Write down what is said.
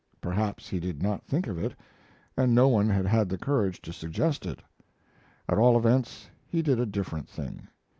Perhaps he did not think of it, and no one had had the courage to suggest it. At all events, he did a different thing.